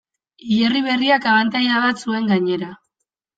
Hilerri berriak abantaila bat zuen gainera.